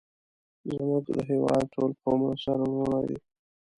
زمونږ د هیواد ټول قومونه سره ورونه دی